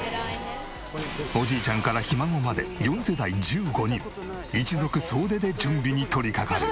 おじいちゃんからひ孫まで４世代１５人一族総出で準備に取り掛かる。